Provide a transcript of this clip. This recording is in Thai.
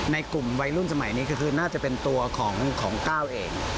ในกลุ่มวัยรุ่นสมัยนี้ก็คือน่าจะเป็นตัวของก้าวเอง